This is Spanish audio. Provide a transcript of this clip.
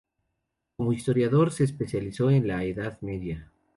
Como historiador, se especializó en la Edad Media.